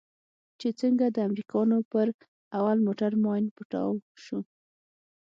چې څنگه د امريکانو پر اول موټر ماين پټاو سو.